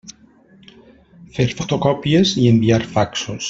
Fer fotocòpies i enviar faxos.